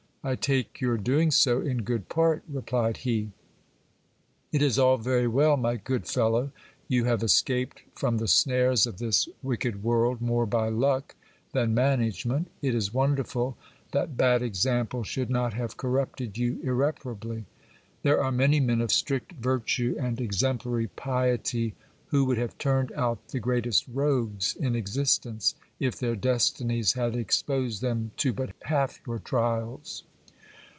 I take your doing so in good part, replied he. It is all very well, my good fellow : you have escaped from the snares of this wick ed world more by luck than management : it is wonderful that bad example should not have corrupted you irreparably. There are many men of strict virtue and exemplary piety, who would have turned out the greatest rogues in existence, if their destinies had exposed them to but half your trials.